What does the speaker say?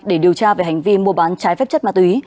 để điều tra về hành vi mua bán trái phép chất ma túy